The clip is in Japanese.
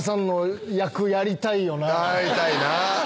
やりたいな。